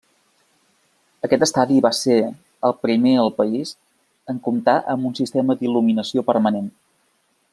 Aquest estadi va ser el primer al país en comptar amb un sistema d'il·luminació permanent.